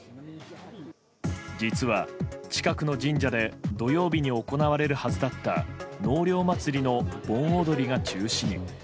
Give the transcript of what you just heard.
実は近くの神社で土曜日に行われるはずだった納涼祭りの盆踊りが中止に。